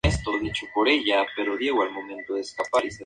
Han sido erigidas numerosas esculturas de carácter religioso.